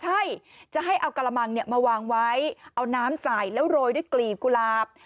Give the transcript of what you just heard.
ใช่จะให้เอากระมังมาวางไว้เอาน้ำใส่แล้วโรยด้วยกลีบกุหลาบ